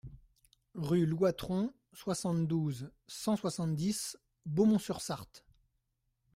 Rue Louatron, soixante-douze, cent soixante-dix Beaumont-sur-Sarthe